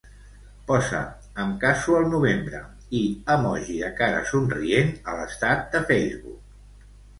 Posa "em caso al novembre" i emoji de cara somrient a l'estat de Facebook.